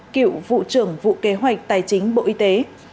cựu vụ trưởng vụ kế hoạch tài chính bộ y tế